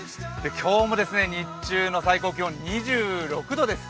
今日も日中の最高気温２６度です。